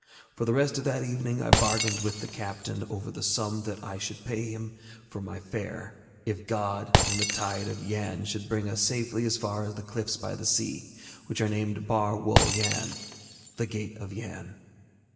For the rest of that evening I bargained with the captain over the sum that I should pay him for my fare if God and the tide of Yann should bring us safely as far as the cliffs by the sea, which are named Bar Wul Yann, the Gate of Yann.